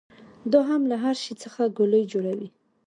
دا هم له هر شي څخه ګولۍ جوړوي.